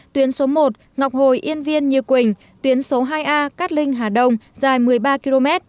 tuyến số một ngọc hồi yên viên như quỳnh tuyến số hai a cát linh hà đông dài một mươi ba km